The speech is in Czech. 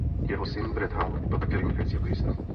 Jeho syn Brett Hull byl také vynikající hokejista.